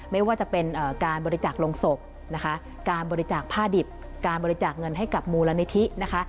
ไม่ว่าจะเป็นการบริจาคลงศพนะคะการบริจาคผ้าดิบการบริจาคเงินให้กับมูลนิธินะคะ